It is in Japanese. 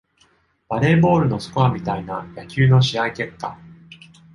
バレーボールのスコアみたいな野球の試合結果